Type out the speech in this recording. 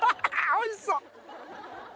おいしそう！